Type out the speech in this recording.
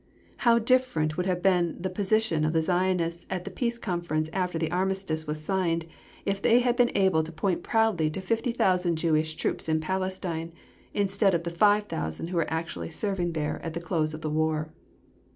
How different would have been the position of the Zionists at the Peace Conference after the Armistice was signed if they had been able to point proudly to 50,000 Jewish troops in Palestine, instead of to the 5,000 who were actually serving there at the close of the War.